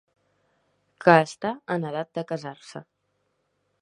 Que està en edat de casar-se.